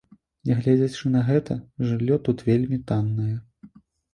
Нягледзячы на гэта, жыллё тут вельмі таннае.